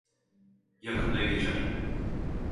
Yakında geçer.